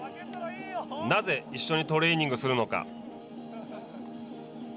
なぜ一緒にトレーニングするのか。